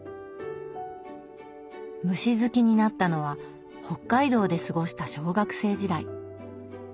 虫好きになったのは北海道で過ごした小学生時代。